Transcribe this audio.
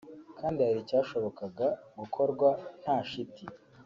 kandi hari icyashobokaga gukorwa nta shiti